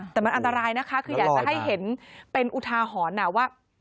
แต่มันอันตรายนะคะคืออยากจะให้เห็นเป็นอุทาหรณ์ว่า